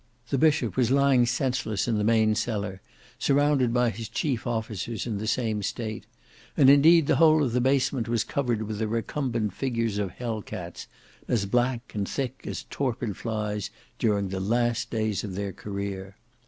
The Bishop was lying senseless in the main cellar, surrounded by his chief officers in the same state: indeed the whole of the basement was covered with the recumbent figures of Hell cats, as black and thick as torpid flies during the last days of their career.